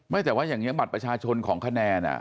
แต่ว่าอย่างนี้บัตรประชาชนของคะแนน